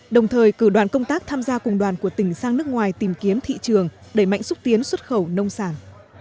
đồng thời cử đoàn công tác tham gia cùng đoàn của tỉnh sang nước ngoài tìm kiếm thị trường đẩy mạnh xúc tiến xuất khẩu nông sản